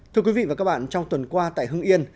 thưa quý vị và các bạn trong tuần qua tại hưng yên